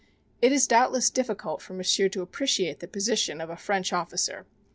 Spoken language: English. It is doubtless difficult for M'sieu' to appreciate the position of a French officer.